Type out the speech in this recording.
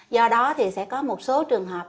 do đó thì sẽ có một số trường hợp